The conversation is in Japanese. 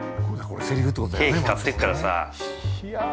ケーキ買ってくからさ。